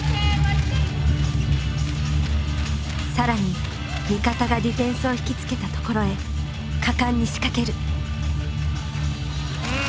更に味方がディフェンスを引き付けたところへ果敢に仕掛ける。